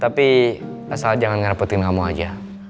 tapi asal jangan merepotin kamu aja